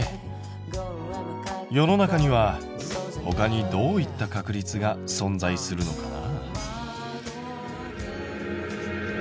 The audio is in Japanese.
世の中にはほかにどういった確率が存在するのかな？